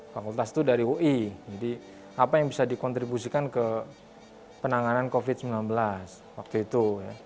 fakultas itu dari ui jadi apa yang bisa dikontribusikan ke penanganan covid sembilan belas waktu itu